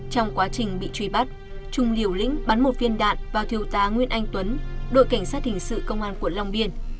trong quá trình bị truy bắt trung liều lĩnh bắn một viên đạn vào thiêu tá nguyễn anh tuấn đội cảnh sát hình sự công an quận long biên